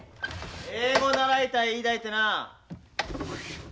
英語習いたい言いだいてな。